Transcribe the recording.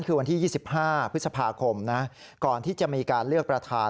คือวันที่๒๕พฤษภาคมนะก่อนที่จะมีการเลือกประธาน